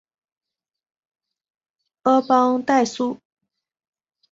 阿邦代苏。